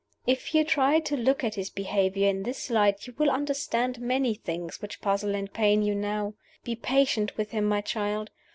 If you try to look at his behavior in this light, you will understand many things which puzzle and pain you now. Be patient with him, my child.